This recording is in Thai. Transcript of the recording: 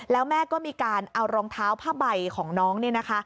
แล้วแม่ก็มีการเอารองเท้าผ้าใบของน้อง